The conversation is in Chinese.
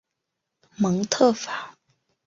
蒙特法。